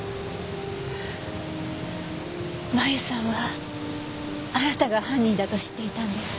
麻由さんはあなたが犯人だと知っていたんです。